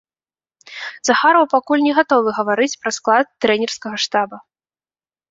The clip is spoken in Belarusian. Захараў пакуль не гатовы гаварыць пра склад трэнерскага штаба.